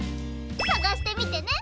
さがしてみてね！